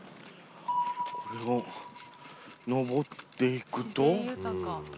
これを上っていくと。